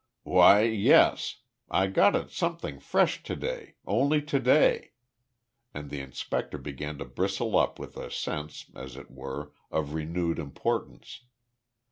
"Why, yes. I got at something fresh to day, only to day." And the inspector began to bristle up with a sense, as it were, of renewed importance.